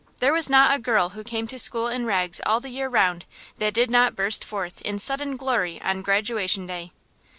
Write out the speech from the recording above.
There was not a girl who came to school in rags all the year round that did not burst forth in sudden glory on Graduation Day.